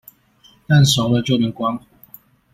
蛋熟了就能關火